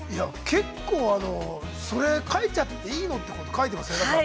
◆結構、それ書いちゃっていいの？ってこと書いてません？